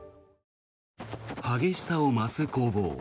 激しさを増す攻防。